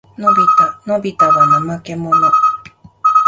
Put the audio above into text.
のびたは怠けもの。